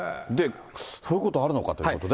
そういうことあるのかということで。